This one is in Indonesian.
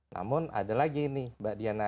namun ada lagi nih mbak diana